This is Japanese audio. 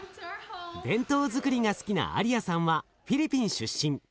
弁当づくりが好きなアリアさんはフィリピン出身。